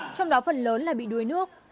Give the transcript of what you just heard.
trong đó phần lớn là bị đuối nước